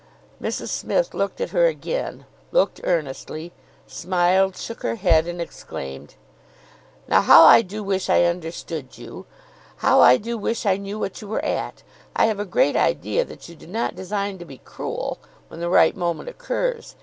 Mrs Smith looked at her again, looked earnestly, smiled, shook her head, and exclaimed— "Now, how I do wish I understood you! How I do wish I knew what you were at! I have a great idea that you do not design to be cruel, when the right moment occurs.